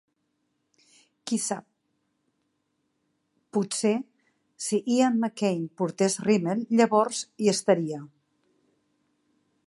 Qui sap, potser si Ian MacKaye portés rímel llavors hi estaria.